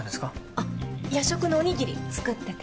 あっ夜食のお握り作ってて。